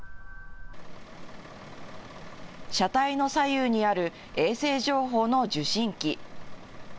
車体の左右にある衛星情報の受信機。